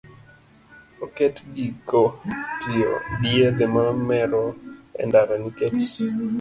Oket giko tiyo gi yedhe mamero e ndara nikech